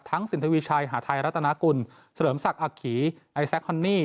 ทั้งสินทวีชัยหาไทยรัตนากุลเสริมศักดิ์อักขีไอซักฮอนนี่